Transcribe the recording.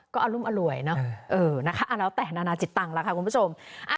ก็อรุมอร่วยเนอะนะคะแล้วแต่นานาจิตตังค์แล้วค่ะคุณผู้ชม